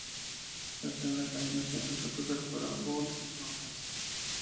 Las primeras canciones que empezó a tocar fueron de Guns n' Roses.